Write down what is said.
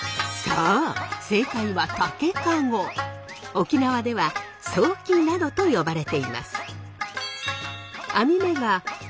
沖縄ではソーキなどと呼ばれています。